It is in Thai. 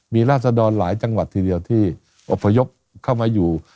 มีราศดรหลายจังหวัดทีเดียวที่อบพยพเข้ามาอยู่